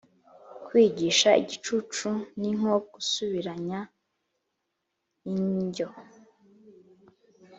Kwigisha igicucu ni nko gusubiranya injyo,